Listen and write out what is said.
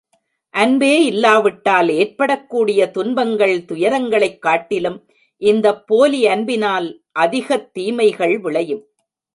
அன்பே இல்லாவிட்டால் ஏற்படக்கூடிய துன்பங்கள் துயரங்களைக் காட்டிலும், இந்தப் போலி அன்பினால் அதிகத் தீமைகள் விளையும்.